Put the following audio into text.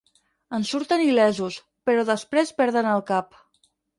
En surten il·lesos, però després perden el cap.